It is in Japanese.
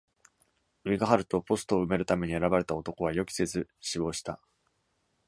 ウィグハルト、ポストを埋めるために選ばれた男は、予期せず死亡した。